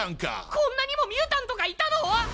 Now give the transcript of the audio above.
こんなにもミュータントがいたの？